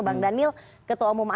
bang daniel ketua umum